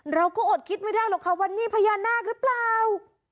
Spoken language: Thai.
อดคิดไม่ได้หรอกค่ะว่านี่พญานาคหรือเปล่า